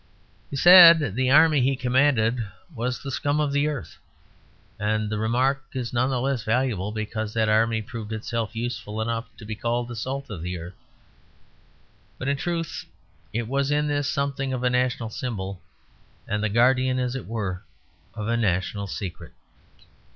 He said the army he commanded was the scum of the earth; and the remark is none the less valuable because that army proved itself useful enough to be called the salt of the earth. But in truth it was in this something of a national symbol and the guardian, as it were, of a national secret.